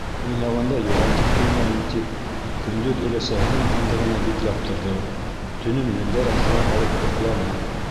Уйнағанда юғалтып ҡуймайым тип, көндөҙ өләсәһенең һандығына бикләп торҙо, төнөн мендәр аҫтына һалып йоҡланы.